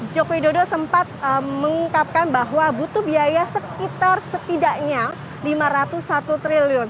jokowi dodo sempat mengungkapkan bahwa butuh biaya sekitar setidaknya lima ratus satu triliun